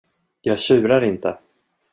Jag tjurar inte.